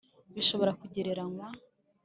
Bishobora kugereranywa